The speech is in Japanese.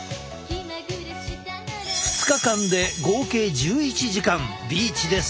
２日間で合計１１時間ビーチで過ごした。